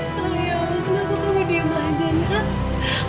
sayang kenapa kamu diem aja nak